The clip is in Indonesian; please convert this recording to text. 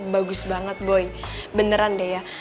bagus banget boy beneran deh ya